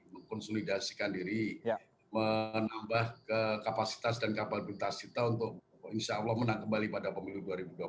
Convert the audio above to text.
mengkonsolidasikan diri menambah kapasitas dan kapabilitas kita untuk insya allah menang kembali pada pemilu dua ribu dua puluh empat